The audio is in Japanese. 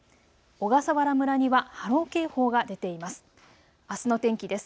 小笠原村には波浪警報が出ています。